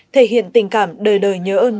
thể hiện tình cảm đời đời nhớ ơn